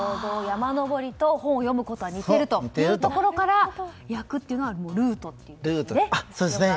山登りと本を読むことは似ているというところから訳というのはルートというね。